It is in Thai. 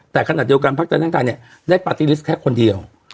แต่ขณะเดียวกันพักไทยนั่งไทยเนี่ยได้ปาร์ตี้ลิสต์แค่คนเดียว